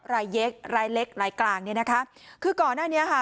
รายเล็กรายเล็กรายกลางเนี่ยนะคะคือก่อนหน้านี้ค่ะ